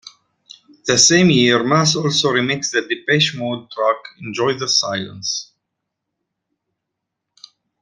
The same year, Maas also remixed the Depeche Mode track "Enjoy the Silence".